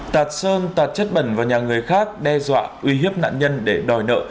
tạt sơn tạt chất bẩn vào nhà người khác đe dọa uy hiếp nạn nhân để đòi nợ